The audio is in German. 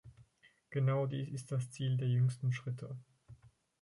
Genau dies ist das Ziel der jüngsten Schritte.